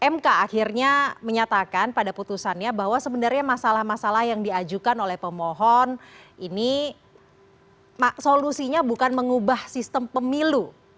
mk akhirnya menyatakan pada putusannya bahwa sebenarnya masalah masalah yang diajukan oleh pemohon ini solusinya bukan mengubah sistem pemilu